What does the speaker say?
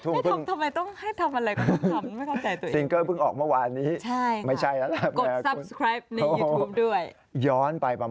ทำไมต้องให้ทำอะไรก็ต้องทำไง